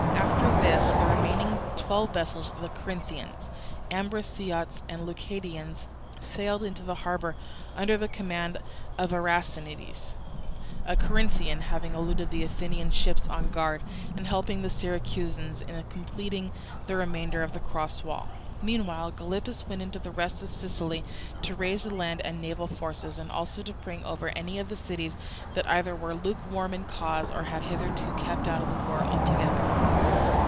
After this the remaining twelve vessels of the Corinthians, Ambraciots, and Leucadians sailed into the harbour under the command of Erasinides, a Corinthian, having eluded the Athenian ships on guard, and helped the Syracusans in completing the remainder of the cross wall. Meanwhile Gylippus went into the rest of Sicily to raise land and naval forces, and also to bring over any of the cities that either were lukewarm in the cause or had hitherto kept out of the war altogether.